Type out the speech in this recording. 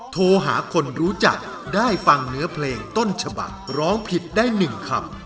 โทรหาคนรู้จักได้ฟังเนื้อเพลงต้นฉบักร้องผิดได้๑คำ